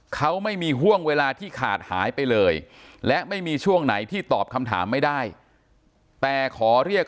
เขาไม่มีห่วงเวลาที่ขาดหายไปเลย